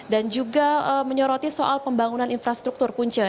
dan juga menyoroti soal pembangunan infrastruktur punca